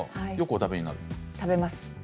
食べます。